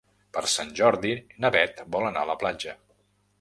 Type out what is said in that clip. Per Sant Jordi na Beth vol anar a la platja.